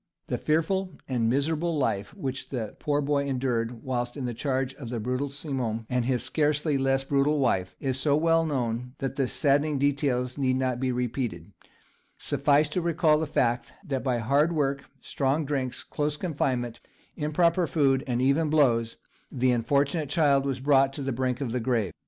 The fearful and miserable life which the poor boy endured whilst in charge of the brutal Simon, and his scarcely less brutal wife, is so well known that the saddening details need not be repeated; suffice to recall the fact that by hard work, strong drinks, close confinement, improper food, and even blows, the unfortunate child was brought to the brink of the grave.